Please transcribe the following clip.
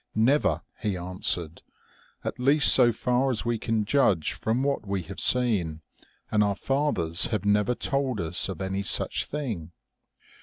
4 Never,' he answered, ' at least so far as we can judge from what we have seen, and our fathers have never told us of any such thing.'